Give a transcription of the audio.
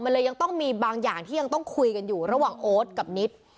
มันเลยยังต้องมีบางอย่างที่ยังต้องคุยกันอยู่ระหว่างโอ๊ตกับนิด